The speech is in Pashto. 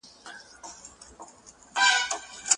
د پوهنې په برخه کي د ولسي سوراګانو رول نه و.